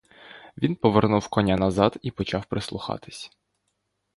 Він повернув коня назад і почав прислухатись.